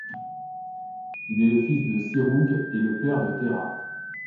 Il est le fils de Seroug et le père de Terah.